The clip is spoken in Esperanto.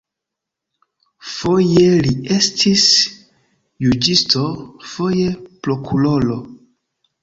Foje li estis juĝisto, foje prokuroro.